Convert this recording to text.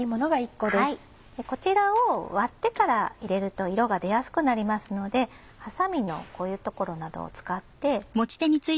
こちらを割ってから入れると色が出やすくなりますのでハサミのこういう所などを使って。